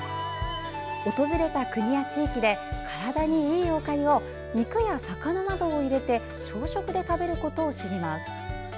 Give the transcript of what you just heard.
訪れた国や地域で体にいいおかゆを肉や魚などを入れて朝食で食べることを知ります。